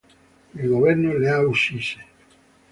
Il governo le ha uccise".